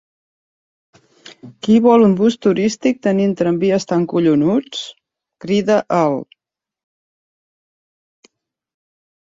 Qui vol un bus turístic tenint tramvies tan collonuts? —crida el